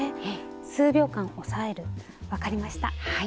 数秒間押さえる分かりました。